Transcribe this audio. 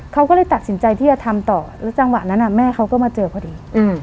เขาก็เลยตัดสินใจที่จะทำต่อแล้วจังหวะนั้นแม่เขาก็มาเจอพอดี